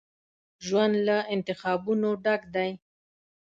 ژوند له انتخابونو ډک دی.